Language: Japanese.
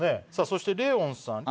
そしてレオンさん。